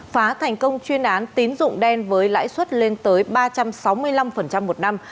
phá thành công chuyên án tín dụng đen với lãi suất lên tới ba trăm sáu mươi năm một năm